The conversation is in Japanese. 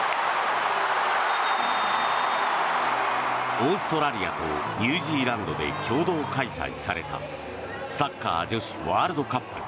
オーストラリアとニュージーランドで共同開催されたサッカー女子ワールドカップ。